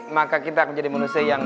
maka kita menjadi manusia yang